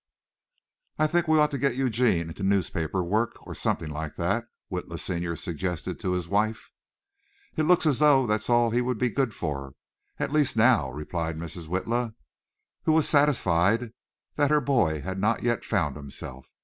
"I think we ought to get Eugene into newspaper work or something like that," Witla senior suggested to his wife. "It looks as though that's all he would be good for, at least now," replied Mrs. Witla, who was satisfied that her boy had not yet found himself.